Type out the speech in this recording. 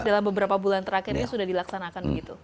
dalam beberapa bulan terakhir ini sudah dilaksanakan begitu